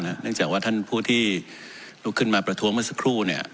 เนื่องจากว่าท่านผู้ที่ลุกขึ้นมาประท้วงเมื่อสักครู่